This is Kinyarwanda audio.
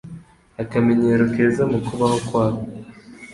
akamenyero keza mu kubaho kwabo.